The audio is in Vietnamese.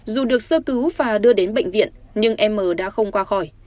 dù được sơ cứu và đưa đến bệnh viện nhưng em m đã không qua khỏi